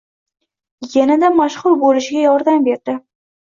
yanada mashhur bo'lishiga yordam berdi.